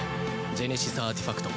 ジェネシスアーティファクト。